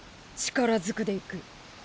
力ずくでいく。